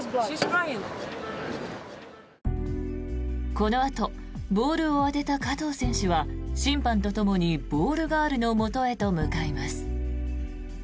このあとボールを当てた加藤選手は審判とともにボールガールのもとへと向かいます。